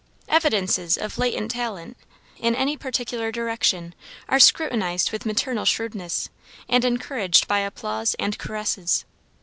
Evidences of latent talent in any particular direction are scrutinized with maternal shrewdness, and encouraged by applause and caresses.